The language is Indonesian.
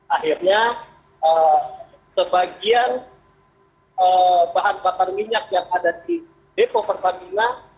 akhirnya sebagian bahan bakar minyak yang ada di depo pertamina